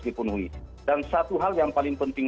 dipenuhi dan satu hal yang paling penting